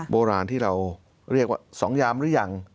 โบราณที่เราเรียกว่า๒ยามหรือยัง